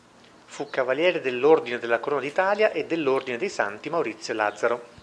Fu Cavaliere dell'Ordine della Corona d'Italia e dell'Ordine dei Santi Maurizio e Lazzaro.